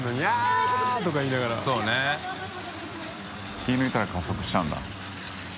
気を抜いたら加速しちゃうんだ。